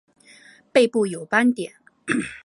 背部有斑点。